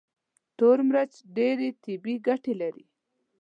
تور مرچ ډېرې طبي ګټې لري.